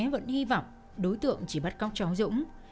vẫn hy vọng đối tượng chỉ bắt cóc cháu dũng